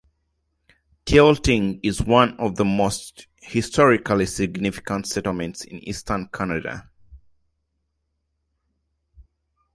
Tilting is one of the most historically significant settlements in Eastern Canada.